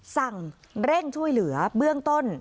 สั่งเร่งช่วยเหลือเบื้องต้น